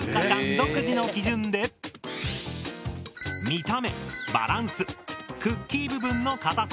独自の基準で「見た目」「バランス」「クッキー部分の硬さ」